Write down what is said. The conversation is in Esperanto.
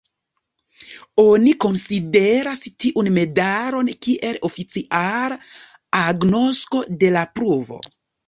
Oni konsideras tiun medalon kiel oficiala agnosko de la pruvo.